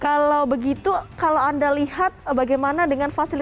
kalau begitu kalau anda lihat bagaimana dengan fasilitas